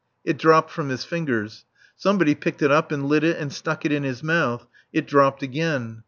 It dropped from his fingers. Somebody picked it up and lit it and stuck it in his mouth; it dropped again.